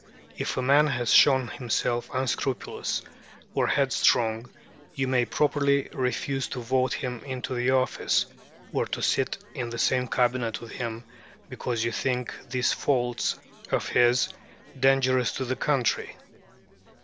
If a man has shown himself unscrupulous or headstrong, you may properly refuse to vote him into office, or to sit in the same Cabinet with him, because you think these faults of his dangerous to the country.